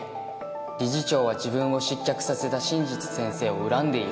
理事長は自分を失脚させた真実先生を恨んでいる？